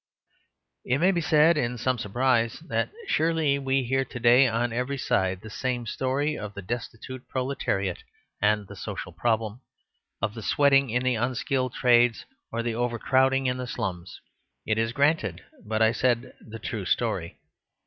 It may be said, in some surprise, that surely we hear to day on every side the same story of the destitute proletariat and the social problem, of the sweating in the unskilled trades or the overcrowding in the slums. It is granted; but I said the true story.